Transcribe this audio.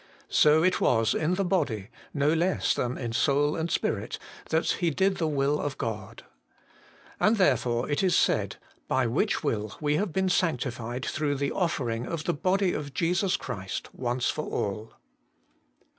So it was in the body, no less than in soul and spirit, that He did the will of God. And therefore it is said, ' By which will we have been sanctified through the offering of the lody of Jesus Christ once for all.'